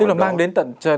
tức là mang đến tận